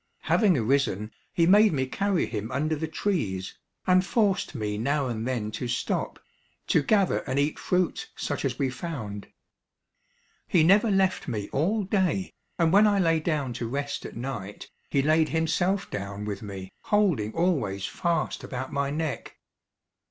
Having arisen, he made me carry him under the trees, and forced me now and then to stop, to gather and eat fruit such as we found. He never left me all day, and when I lay down to rest at night, he laid himself down with me, holding always fast about my neck.